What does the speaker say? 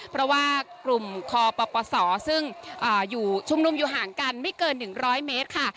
เพราะว่ากลุ่มคอปะปะสอซึ่งชุมนุมอยู่ห่างกันไม่เกินหนึ่งร้อยเมตรค่ะ